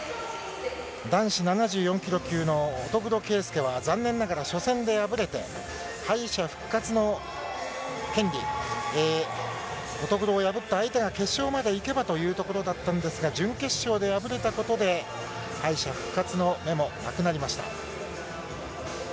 男子７４キロ級の乙黒圭祐は残念ながら初戦で敗れて、敗者復活の権利、乙黒を破った相手が決勝までいけばというところだったんですが、準決勝で敗れたことで、敗者復活の芽もなくなりました。